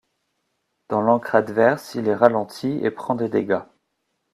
Dans l'encre adverse, il est ralenti et prend des dégâts.